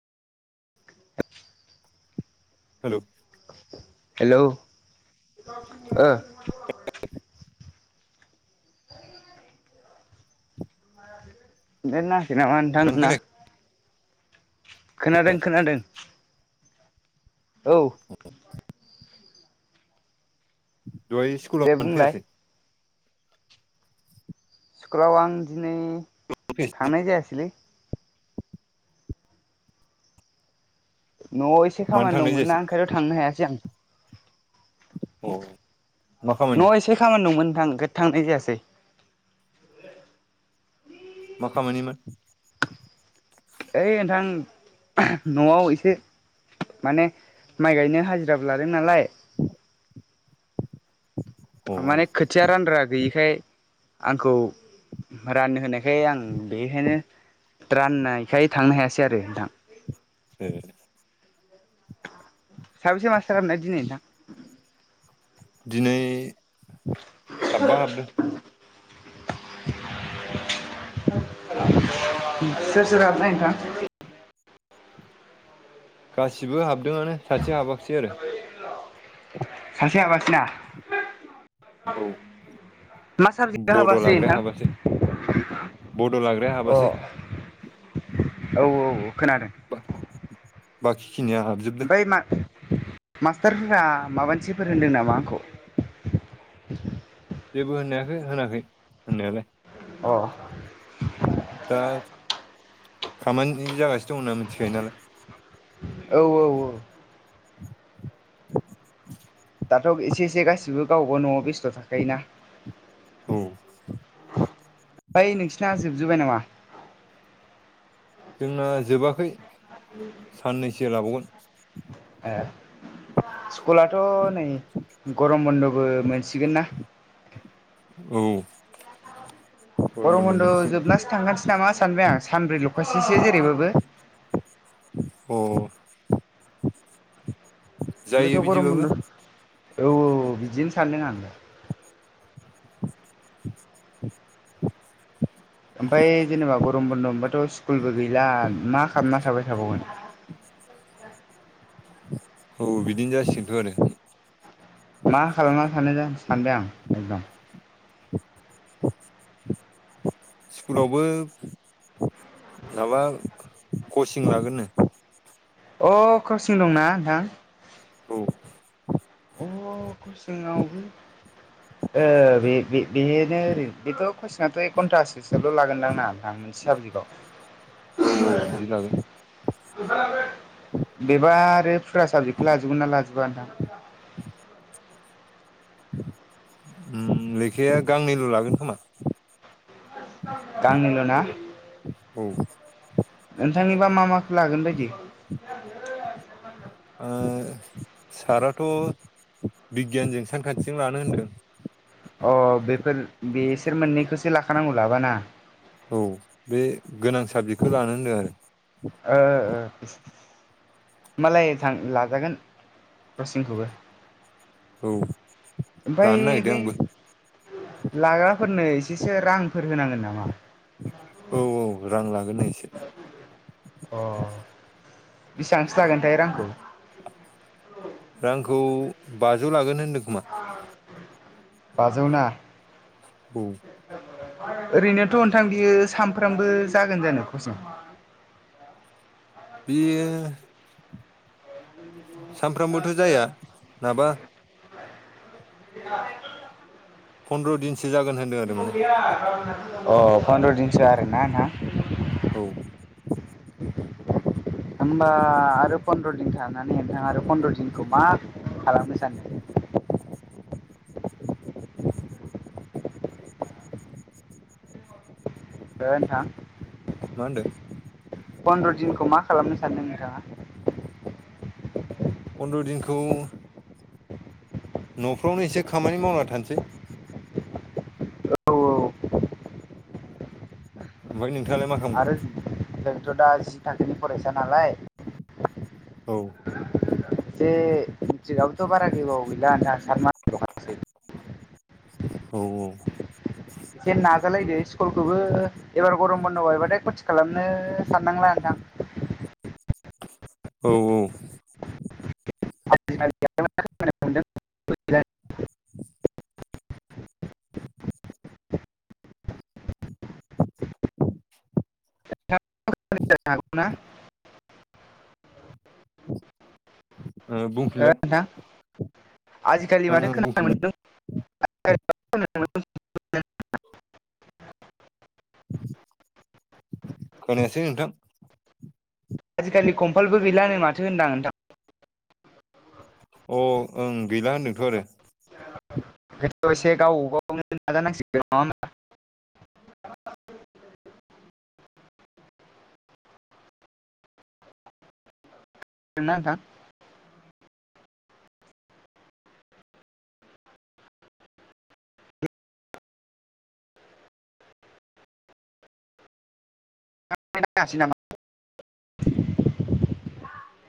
Hello hello. ओ net नाङा खै नामा आं नोंना! खोनायाखै खोनादों खोनादों औ दहाय स्कुलाव दे मानो बुंलाय फैयासै स्कुलाव आं दिनै फैयासै थांनाय जायासलै। न'आव एसे मानो खामानि थांनाय दंमोनना जायासै ओंखायनोथ' थांनो हायासै आं औ न' एसे खामानि दंमोनोंथां थांनाय जायासै मखामानिमोन? ओइ नोंथां न'आव एसे माने माइ गायनो हाजिराबो लादों नालाय अ अ माने खोथिया रानग्रा गैयिखाय आंखौ राननो होनायखाय आं बेखायनो राननायखाय थांनो हायासै आरो नोंथां ए साबेसे मासथार हाबनाय दिनै नोंथां? दिनै साबा हाबदों [inaudible] [unintelligible] गासिबो हाबदोंआनो सासे हाबाखिसै आरो सासे हाबासैना औ मा साबजेक्ट बड' आहाबासै लाग्राया नोंथां? हाबासै बड' लाग्राया अ हाबासै औ औ खोनादों। बाखि खिनिया हाबजोबदों ओमफ्राय मा मास्टारफोरा माबानोसो फोरोंदों नामा आंखौ? जेबो होनाखै होनाखै होननायालाय अ दा खामानि जागासिनो दंना मिथिखायो नालाय औ औ औ दाथ' एसे एसे गासिबो गावबा न'आव बेस्थ' थाखायोना औ बै नोंसिना जोबजोब्बाय नामा? जोंना जोबाखै [inaudible] से लाबावगोन सकुलाथ' नै गरम बन्द'बो मोन औ गरम बन्द' बन्द'आव मोनसिगोन जोबनासो थांखानोसै नामा सानबाय आं सानब्रै ल'खासैसो जेरैबाबो अ जायो ओंखायथ' गरम बिदिबाबो बन्द' औ बिदिनो सानदोंङ आं दा ओमफ्राय जेनेबा गरम बन्द' मोनबाथ' स्कुलबो गैला मा खालामना थाबाय थाबावगोन औ बिदिनो जासि सिन्थानो मा खालामना सानबाय आं एकदम स्कुलावबोर माबा कचिं लागोननो अ कावसिं दंना नोंथां औ अ खसोङावबो बे बेनो ओरैनो बेथ' कुइसनाथ' घन्टासोसोल' लागोनदां ना आं मोनसे औ साबजेक्टआवक्ष बिदि लागोन बेबा आरो फुरा साबजेक्टखौ लाजोबगोन नना लाजोबबोा नोंथां [inaudible] लेखाया गांनैल' लागोन खोमा गांनिल' ना औ मा मा माखौ लागोन बायदि ओ साराथ' बिगियानजों सानखान्थिजों लानो होनदों अ बेफोर बेसोर मोननैखौसो लाखानांगौ लाबाना औ बे गोनां साबजेक्टखौ लानो होनदों आरो ओ ओ होमबालाय थां लाजागोन रसिंखौबो औ बै लानो नागिरदों बै आंबो लाग्राफोरनो एसेसो रांफोर होनांगोन नामा औ औ रां लागोन एसे बिसेबांसो जागोनथाय रांखौ रांखौ बाजौ लागोन होनदों खोमा बाजौना औ ओरैनोथ' नोंथां बियो सामफ्रामबो जागोन जानो फसें [inaudible] बे सानफ्रामबोथ' जाया नाबा बि फन्द्र' दिनसो जागोन होनदों आरो माने अ फन्द्र' दिनसो आरो ना ना औ होनबा आरो फन रं नानै नोंथाङ आरो पन्द्र' दिनखौ मा खालामनो सानो ब [inaudible] ओथां मा होनदों फन्द्र' दिनखौ मा खालामनो सानदों नोंथाङा फन्द्र' दिनखौ न'फ्रावनो एसे खामानि मावना थानोसै। औ ओमफ्राय नोंथाङालाय मा खालामगोन। थ' दा जि थाखांखोनि फरायसा नालाय औ एसे मिस्ट्रिकआबोथ' बारा गेबाव गैला होना सार मान दखसै औ एसे नाजालायदो स्कुलखौबो एबार गरम बन्द बायबाथ खथि खालामनो साननांला नोंथा। औ औ [unintelligible] [unintelligible] [inaudible] ओ बुंफिनलाय आजिखालि ओं माथो ओं बुंफिनलाय खोनानो मोनदों [unintelligible] [inaudible] खोनायासै नोंथां। आजिखालि कम्पालबो गैलाानो माथो होनदां नोंथां। अ ओं गैला होनदोंथ' आरो बेथ' एसे गावब गावनो नाजानांसिगोन नङा होमबब्ला [inaudible] ना नोंथा। [inaudible]